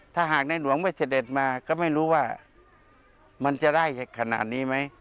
ถ้าหากในหลวงไม่เสด็จมาก็ไม่รู้ว่ามันจะได้ขนาดนี้ไหม